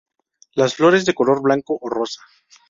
Las flores de color blanco o rosa.